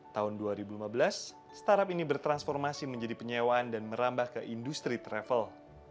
tahun dua ribu lima belas startup ini bertransformasi menjadi penyewaan dan merambah ke industri travel